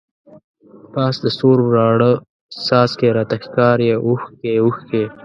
پاس د ستورو راڼه څاڅکی، راته ښکاری اوښکی اوښکی